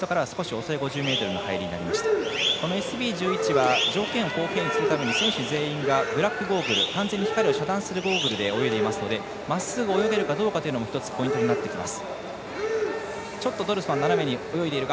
ＳＢ１１は条件を公平にするために選手全員がブラックゴーグル完全に光を遮断するゴーグルで泳いでいますのでまっすぐ泳げるかどうかというのも１つポイントになってきます。